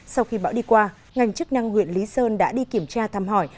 sau khi bão đi qua ngành chức năng huyện lý sơn đã đi kiểm tra thăm hỏi